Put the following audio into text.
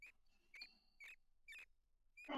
清代为康定县南境土司辖地。